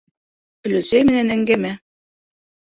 Оләсәй менән әңгәмә